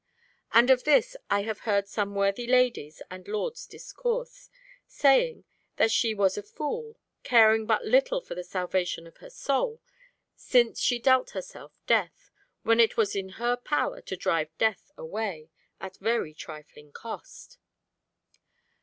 And of this I have heard some worthy ladies and lords discourse, saying that she was a fool, caring but little for the salvation of her soul, since she dealt herself death, when it was in her power to drive death away, at very trifling cost."